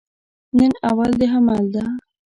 نن اول د حمل ده